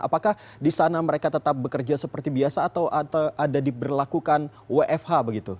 apakah di sana mereka tetap bekerja seperti biasa atau ada diberlakukan wfh begitu